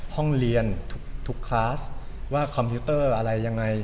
ห้องเรียนทุกคลาสว่าคอมพิวเตอร์อะไรยังไง